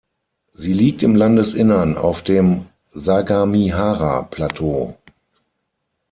Sie liegt im Landesinnern auf dem "Sagamihara-Plateau".